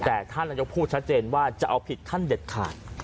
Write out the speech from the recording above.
แต่ท่านนายกรัฐมนตรีมีการออกมาแถลงผ่านโทรทัศน์บริการขนขบวนการแรงงานข้ามชาติ